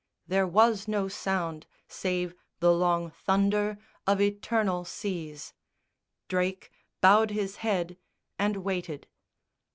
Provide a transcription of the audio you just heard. There was no sound Save the long thunder of eternal seas, Drake bowed his head and waited.